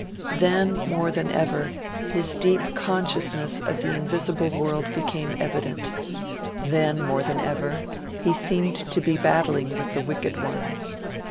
Then, more than ever, his deep consciousness of the invisible world became evident; then, more than ever, he seemed to be battling with the wicked one.